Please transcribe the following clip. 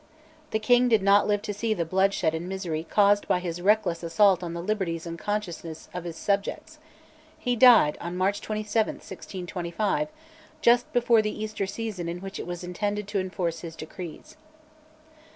The king did not live to see the bloodshed and misery caused by his reckless assault on the liberties and consciences of his subjects; he died on March 27, 1625, just before the Easter season in which it was intended to enforce his decrees.